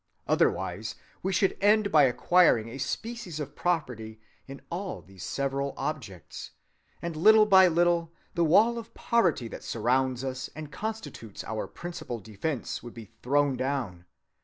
Otherwise we should end by acquiring a species of property in all these several objects, and little by little the wall of poverty that surrounds us and constitutes our principal defense would be thrown down.